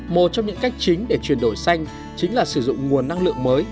một trong những cách chính để chuyển đổi xanh chính là sử dụng nguồn năng lượng mới